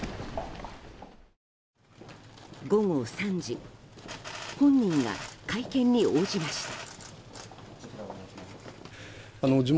午後３時本人が会見に応じました。